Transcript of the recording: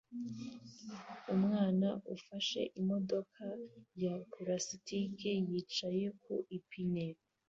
Umwana ufashe imodoka ya pulasitike yicaye ku ipine